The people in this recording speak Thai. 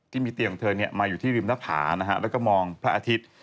ที่มีเตียงเธอเนี่ยมาอยู่ที่ริมทะพานะฮะแล้วก็มองพระอาทิตย์